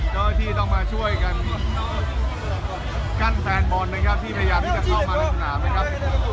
เจ้าหน้าที่ต้องมาช่วยกันกั้นแฟนบอลนะครับที่พยายามที่จะเข้ามาในสนามนะครับ